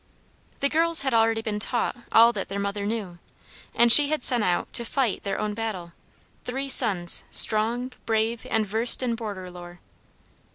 The girls had already been taught all that their mother knew, and she had sent out to fight their own battle, three sons, strong, brave, and versed in border lore.